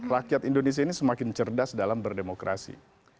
rakyat indonesia ini semakin cerdas dalam berdemokrasi